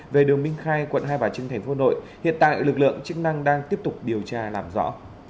về đường minh khai quận hai bà trưng tp hà nội hiện tại lực lượng chức năng đang tiếp tục điều tra làm rõ